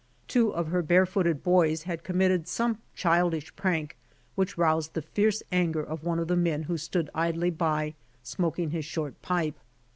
Two of her bare footed boys had committed some childish prank which roused the fierce anger of one of the men who stood idly b}^ smoking his short pipe.